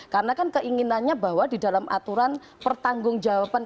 karena kan keinginannya bahwa di dalam aturan pertanggung jawaban